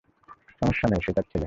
সমস্যা নেই, সে তার ছেলে।